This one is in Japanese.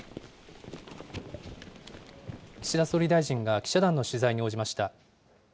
岸田総理大臣が記者団の取材に応じました。